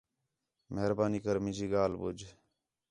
مہربانی کر مینجی ڳالھ ٻُجھ